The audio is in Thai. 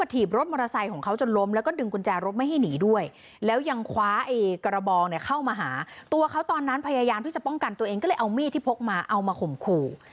ที่จะป้องกันตัวเองก็เลยเอามีที่พกมาเอามาข่มขู่